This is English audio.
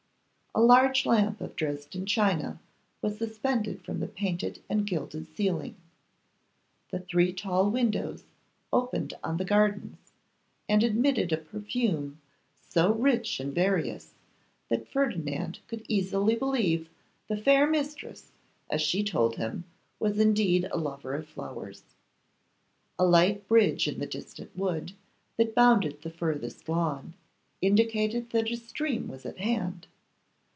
A large lamp of Dresden china was suspended from the painted and gilded ceiling. The three tall windows opened on the gardens, and admitted a perfume so rich and various, that Ferdinand could easily believe the fair mistress, as she told him, was indeed a lover of flowers. A light bridge in the distant wood, that bounded the furthest lawn, indicated that a stream was at hand.